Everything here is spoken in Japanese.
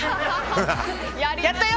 やったよ！